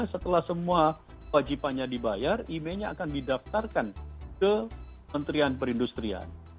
setelah semua wajibannya dibayar imei nya akan didaftarkan ke menteri perindustrian